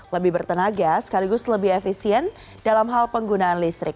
lebih bertenaga sekaligus lebih efisien dalam hal penggunaan listrik